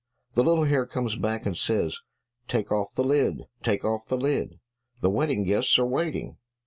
The little hare comes back and says, "Take off the lid, take off the lid, the wedding guests are waiting."